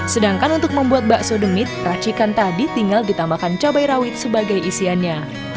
sedangkan untuk membuat bakso demit racikan tadi tinggal ditambahkan cabai rawit sebagai isiannya